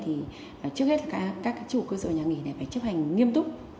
thì trước hết các chủ cơ sở nhà nghỉ phải chấp hành nghiêm túc